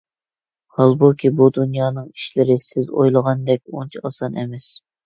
ھالبۇكى، بۇ دۇنيانىڭ ئىشلىرى سىز ئويلىغاندەك ئۇنچە ئاسان ئەمەس.